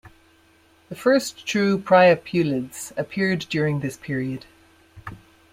The first true priapulids appeared during this period.